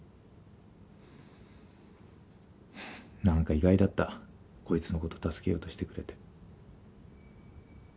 何か意外だったこいつのこと助けようとしてくれて。